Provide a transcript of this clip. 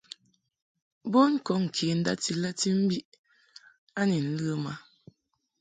Bon kɔŋ kə ndati lati mbi a ni ləm a.